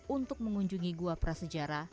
untuk mengunjungi gua prasejarah